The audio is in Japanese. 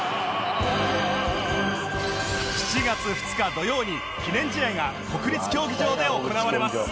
７月２日土曜に記念試合が国立競技場で行われます